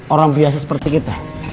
orang biasa seperti kita